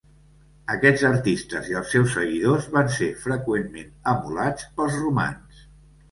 Aquests artistes i els seus seguidors van ser freqüentment emulats pels romans.